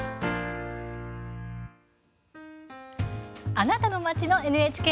「あなたの街のＮＨＫ」